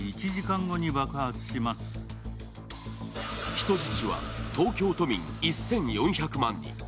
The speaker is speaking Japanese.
人質は東京都民１４００万人。